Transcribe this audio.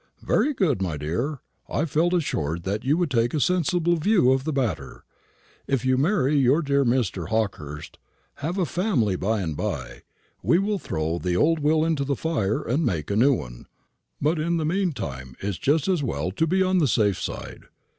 "Very good, my dear. I felt assured that you would take a sensible view of the matter. If you marry your dear Mr. Hawkehurst, have a family by and by, we will throw the old will into the fire and make a new one; but in the mean time it's just as well to be on the safe side.